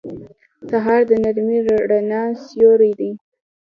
سهار د نرمې رڼا سیوری دی.